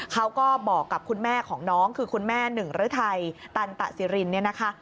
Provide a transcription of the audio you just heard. เขาก็บอกกับคุณแม่ของน้องคือคุณแม่หนึ่งรื้อไทยตันตะสิริน